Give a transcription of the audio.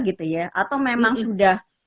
gitu ya atau memang sudah